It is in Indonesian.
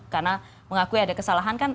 karena mengakui ada kesalahan kan